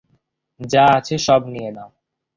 যা আছে সব নিয়ে নাও।